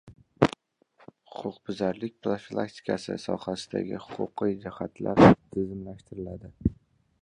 Huquqbuzarliklar profilaktikasi sohasidagi huquqiy hujjatlar tizimlashtiriladi